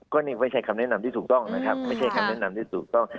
ก็ไม่ใช่คำแนะนำที่ถูกต้อง